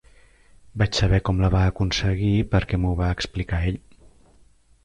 Vaig saber com la va aconseguir perquè m'ho va explicar ell.